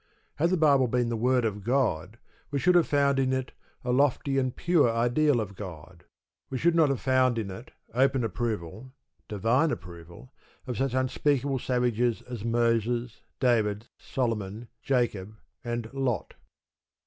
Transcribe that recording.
Had the Bible been the word of God we should have found in it a lofty and a pure ideal of God. We should not have found in it open approval divine approval of such unspeakable savages as Moses, David, Solomon, Jacob, and Lot.